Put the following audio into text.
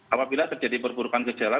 apabila terjadi perburukan gejala